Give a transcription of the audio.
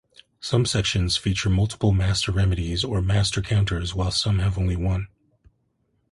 Some sections feature multiple master remedies or master counters, while some have only one.